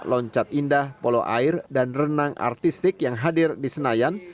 loncat indah polo air dan renang artistik yang hadir di senayan